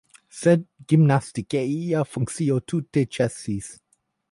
Sed gimnastikeja funkcio tute ĉesis.